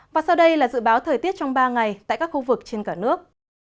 và sau đây là dự báo thời tiết trong ba ngày tại các khu vực trên cả nước